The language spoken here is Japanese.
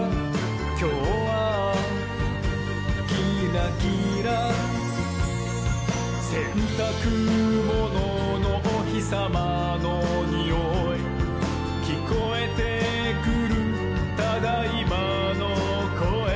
「きょうはキラキラ」「せんたくもののおひさまのにおい」「きこえてくる『ただいま』のこえ」